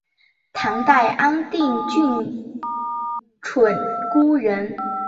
唐代安定郡鹑觚人。